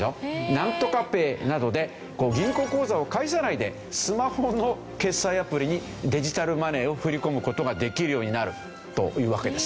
ナントカＰａｙなどで銀行口座を介さないでスマホの決済アプリにデジタルマネーを振り込む事ができるようになるというわけです。